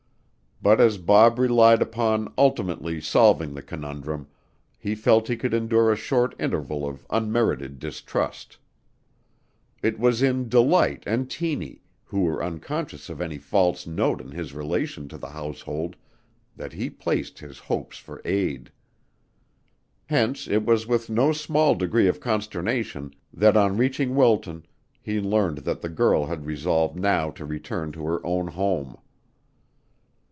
But as Bob relied upon ultimately solving the conundrum, he felt he could endure a short interval of unmerited distrust. It was in Delight and Tiny, who were unconscious of any false note in his relation to the household, that he placed his hopes for aid. Hence it was with no small degree of consternation that on reaching Wilton he learned that the girl had resolved now to return to her own home.